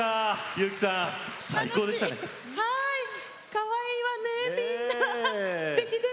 かわいいわねみんな。